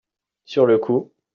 sur le coup.